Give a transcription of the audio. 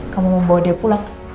kamu membawa dia pulang